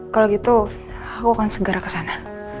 kalo gitu aku akan segera kesana